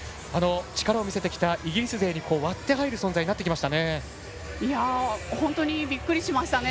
力を見せてきたイギリス勢に割って入る存在になってきましたね。